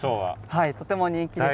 はいとても人気です。